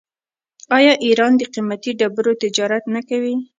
آیا ایران د قیمتي ډبرو تجارت نه کوي؟